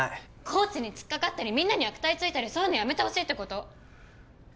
コーチに突っかかったりみんなに悪態ついたりそういうのやめてほしいって事。